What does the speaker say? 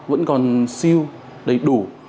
vẫn còn siêu đầy đủ